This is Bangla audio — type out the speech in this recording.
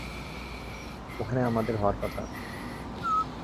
ওখানে আমাদের হওয়ার কথা।